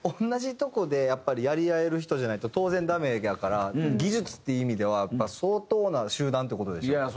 同じとこでやっぱりやり合える人じゃないと当然ダメやから技術っていう意味ではやっぱ相当な集団って事でしょ。